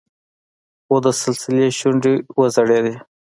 خو د سلسلې شونډې وځړېدې.